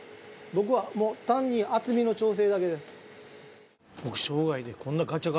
僕はもう単に厚みの調整だけです。